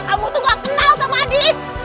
kamu itu gak kenal sama adi